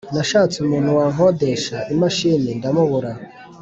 Nashatse umuntu wankodesha imashini ndamubura